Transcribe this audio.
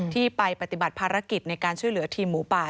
ที่ไปปฏิบัติภารกิจในการช่วยเหลือทีมหมูป่า